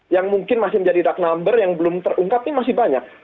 yang mungkin masih menjadi dark number yang belum terungkap ini masih banyak